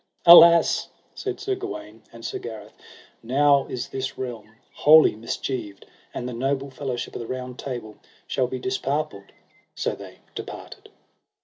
Alas, said Sir Gawaine and Sir Gareth, now is this realm wholly mischieved, and the noble fellowship of the Round Table shall be disparpled: so they departed.